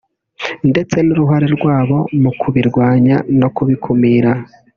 ndetse n’uruhare rwabo mu kubirwanya no kubikumira